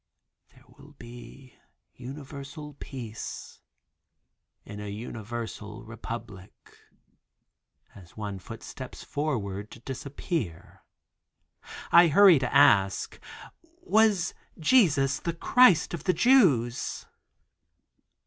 "There will be universal peace in a universal republic," as one foot steps forward to disappear. I hurry to ask: "Was Jesus the Christ of the Jews?"